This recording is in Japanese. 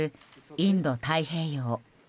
インド太平洋。